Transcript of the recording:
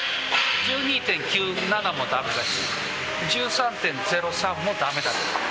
１２．９７も駄目だし１３．０３も駄目だった。